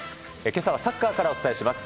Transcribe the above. けさはサッカーからお伝えします。